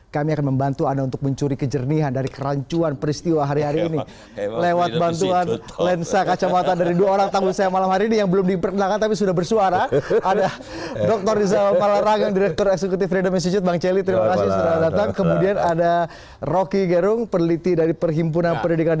kami siap membantu kalau diperlukan